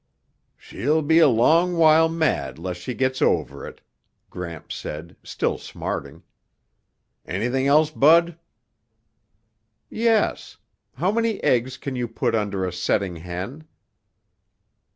"She'll be a long while mad 'less she gets over it," Gramps said, still smarting. "Anything else, Bud?" "Yes. How many eggs can you put under a setting hen?"